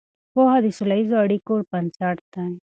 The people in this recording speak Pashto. پوهه د سوله ییزو اړیکو بنسټ دی.